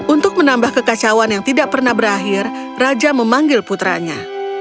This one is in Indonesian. untuk menambah kekacauan yang tidak pernah berakhir raja memanggil putranya